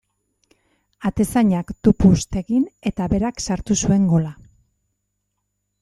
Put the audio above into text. Atezainak tupust egin eta berak sartu zuen gola.